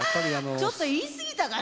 ちょっと言い過ぎたかな。